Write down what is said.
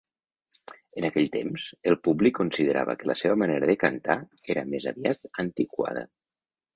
En aquell temps, el públic considerava que la seva manera de cantar era més aviat antiquada.